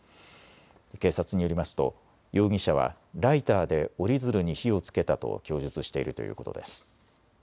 警察によりますと容疑者はライターで折り鶴に火をつけたと供述しているということです。